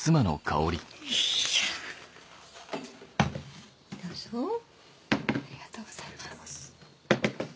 ありがとうございます。